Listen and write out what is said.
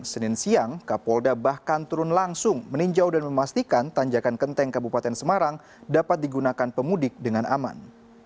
senin siang kapolda bahkan turun langsung meninjau dan memastikan tanjakan kenteng kabupaten semarang dapat digunakan pemudik dengan aman